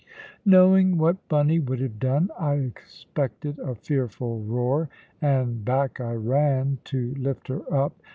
Knowing what Bunny would have done, I expected a fearful roar, and back I ran to lift her up.